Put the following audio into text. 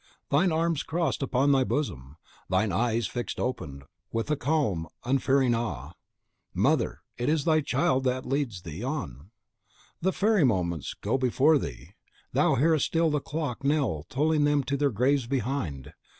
thine arms crossed upon thy bosom, thine eyes fixed and open, with a calm unfearing awe. Mother, it is thy child that leads thee on! The fairy moments go before thee; thou hearest still the clock knell tolling them to their graves behind.